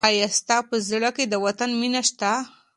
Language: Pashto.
آیا ستا په زړه کې د وطن مینه شته؟